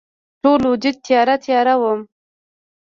ټول وجود تیاره، تیاره وم